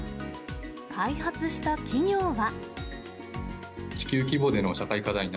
開発した企業は。